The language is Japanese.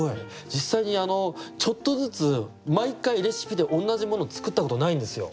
実際にちょっとずつ毎回レシピで同じもの作ったことないんですよ。